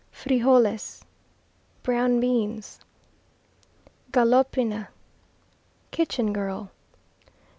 Frijoles Brown beans. Galopina Kitchen girl.